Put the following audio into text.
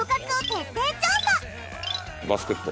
バスケット。